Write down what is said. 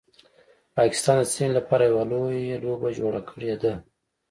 پاکستان د سیمې لپاره یو لویه لوبه جوړه کړیده